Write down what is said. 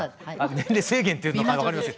年齢制限というのか分かりませんが。